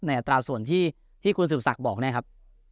อัตราส่วนที่คุณสืบศักดิ์บอกเนี่ยครับ